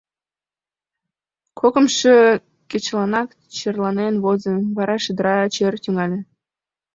Кокымшо кечыланак черланен возым, вара шедыра чер тӱҥале.